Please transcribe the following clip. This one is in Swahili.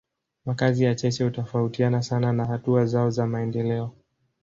Makazi ya cheche hutofautiana sana na hatua zao za maendeleo.